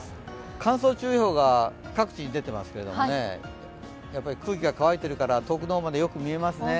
乾燥注意報が各地に出ていますけれども空気が乾いているから遠くの方までよく見えますね。